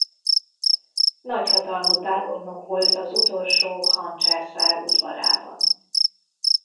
Nagy hatalmú tábornok volt az utolsó Han császár udvarában.